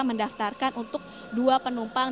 mendaftarkan untuk dua penumpang